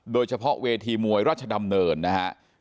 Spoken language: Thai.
โดยเฉพาะเวทีมวยราชดำเนินนะครับ